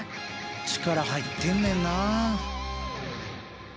力入ってんねんな。